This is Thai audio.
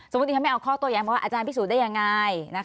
สมมุติถ้าไม่เอาข้อตัวอย่างว่าอาจารย์พิสูจน์ได้ยังไงนะคะ